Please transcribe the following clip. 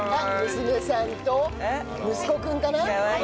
娘さんと息子君かな？